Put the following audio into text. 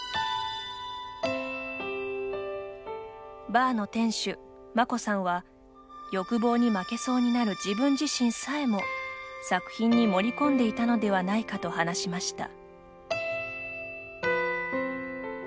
バーの店主マコさんは欲望に負けそうになる自分自身さえも作品に盛り込んでいたのではないかと話しました。